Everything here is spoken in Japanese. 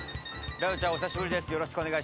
ライオンちゃんお久しぶりです。